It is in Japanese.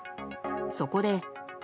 そこで。